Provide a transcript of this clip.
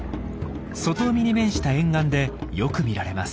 外海に面した沿岸でよく見られます。